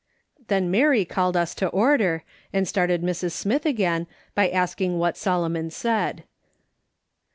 Then ]\Iary called us to order, and started Mrs. Smith again, by asking what Solomon said.